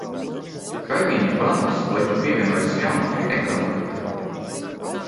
Kā viņi panāks, lai tu pievienojies jaunajai ekonomikai?